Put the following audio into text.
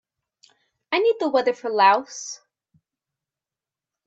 I need the weather for Laos